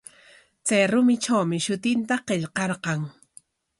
Chay rumitrawmi shutinta qillqarqan.